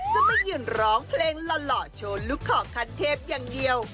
จะไม่ยืนร้องเพลงหล่อโชว์ลูกขอคันเทพอย่างเดียว